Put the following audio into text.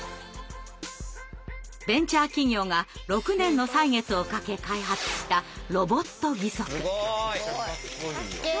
ベンチャー企業が６年の歳月をかけ開発したすごい！